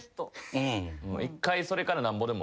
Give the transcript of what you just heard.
１回それからなんぼでも。